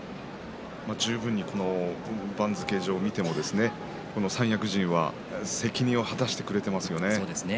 十分に番付上を見ても三役陣は責任を果たしてくれていますよね。